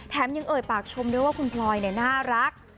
ยังเอ่ยปากชมด้วยว่าคุณพลอยน่ารัก